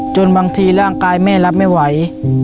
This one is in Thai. บางทีร่างกายแม่รับไม่ไหว